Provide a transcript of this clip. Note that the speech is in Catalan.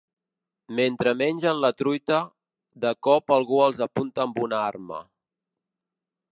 Mentre mengen la truita, de cop algú els apunta amb una arma.